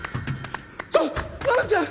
ちょっナナちゃん！